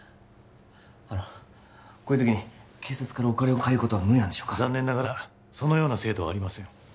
あのこういう時に警察からお金を借りることは無理なんでしょうか残念ながらそのような制度はありません